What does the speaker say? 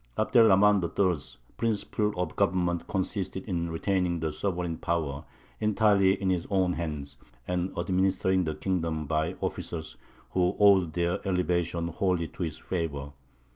Abd er Rahmān III.'s principle of government consisted in retaining the sovereign power entirely in his own hands, and administering the kingdom by officers who owed their elevation wholly to his favour.